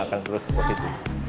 akan terus positif